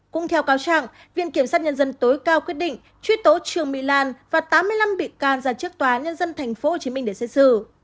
cũng theo cáo trạng viện kiểm sát nhân dân tối cao quyết định truy tố trương mỹ lan và tám mươi năm bị can ra trước tòa nhân dân tp hcm để xét xử